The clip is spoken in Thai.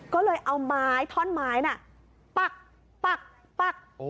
ก็เลยเอาท่อนไม้ปั๊ก